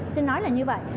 xin nói là như vậy